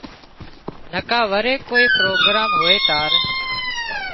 نڪا وري ڪوئي پروگران هوئي تار